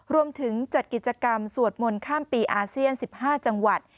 รวมถึงจัดกิจกรรมสวดมนต์ข้ามปีอาเซียน๑๕จังหวัด